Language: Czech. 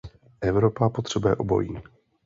Evropa potřebuje obojí.